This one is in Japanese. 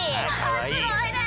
すごいね！